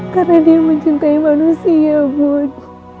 karena dia mencintai manusia bund